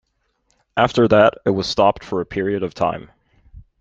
After that, it was stopped for a period of time.